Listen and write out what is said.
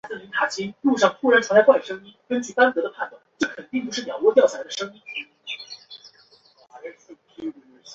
道斯普伦加斯不再被提及。